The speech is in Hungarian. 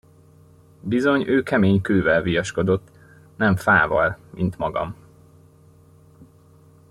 Bizony, ő kemény kővel viaskodott, nem fával, mint magam.